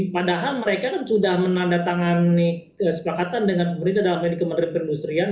padahal mereka kan sudah menandatangani sepakatan dengan pemerintah dalam medikamenter perindustrian